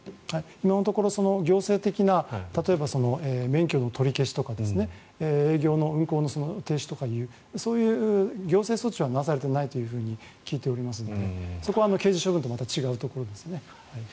今のところ行政的な例えば免許の取り消しとか営業の、運航の停止とかそういう行政措置はなされていないと聞いておりますのでそこは刑事処分とまた違うところですね。